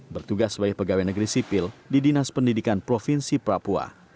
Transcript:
bertugas sebagai pegawai negeri sipil di dinas pendidikan provinsi papua